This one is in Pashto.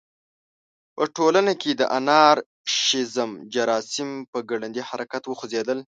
په ټولنه کې د انارشیزم جراثیم په ګړندي حرکت وخوځېدل.